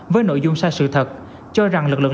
với nội dung sai sự thật cho rằng lực lượng